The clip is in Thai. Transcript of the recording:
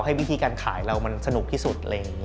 ให้วิธีการขายเรามันสนุกที่สุด